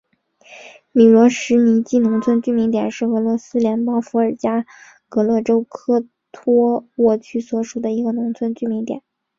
米罗什尼基农村居民点是俄罗斯联邦伏尔加格勒州科托沃区所属的一个农村居民点。